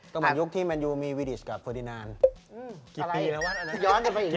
ต่อมายุคที่มันอยู่มีวิดิสกับเฟอร์ตินานอืมกี่ปีแล้ววะย้อนกันไปอีกแล้ว